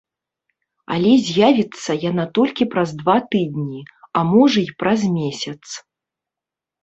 Але з'явіцца яна толькі праз два тыдні, а можа і праз месяц.